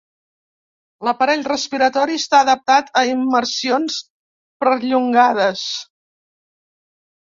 L'aparell respiratori està adaptat a immersions perllongades.